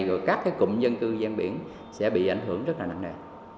và các cái cụm dân cư gian biển sẽ bị ảnh hưởng rất là nặng nề